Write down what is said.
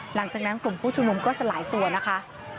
หลังจากนั้นกลุ่มผู้ชุมนุมก็สลายตัวนะคะ